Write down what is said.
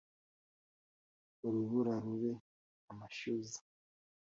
Urubura rube amashyuza